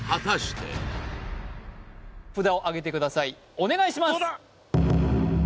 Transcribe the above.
お願いします